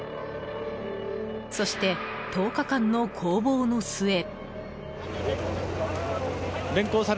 そして１０日間の攻防の末。